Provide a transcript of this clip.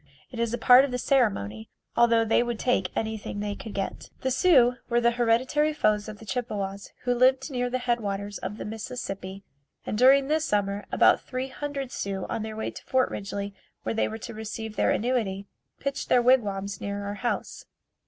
It is a part of the ceremony, although they would take anything they could get. The Sioux were the hereditary foes of the Chippewas who lived near the head waters of the Mississippi and during this summer about three hundred Sioux on their way to Fort Ridgely where they were to receive their annuity, pitched their wigwams near our house.